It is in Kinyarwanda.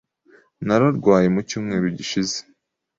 Nararwaye mu cyumweru gishize.